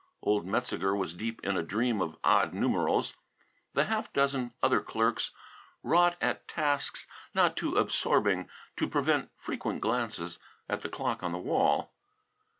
Old Metzeger was deep in a dream of odd numerals. The half dozen other clerks wrought at tasks not too absorbing to prevent frequent glances at the clock on the wall.